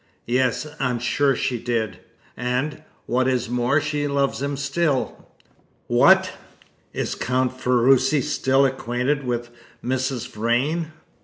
"Yes, I am sure she did; and, what is more, she loves him still!" "What! Is Count Ferruci still acquainted with Mrs. Vrain?"